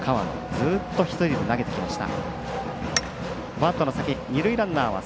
ずっと１人で投げてきました。